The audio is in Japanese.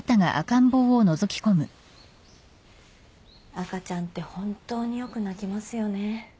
赤ちゃんって本当によく泣きますよね。